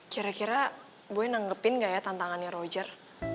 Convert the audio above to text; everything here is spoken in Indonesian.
kira kira gue nanggepin gak ya tantangannya roger